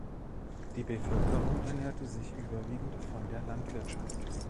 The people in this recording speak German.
Die Bevölkerung ernährte sich überwiegend von der Landwirtschaft.